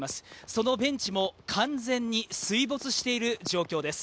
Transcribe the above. そのベンチも完全に水没している状況です。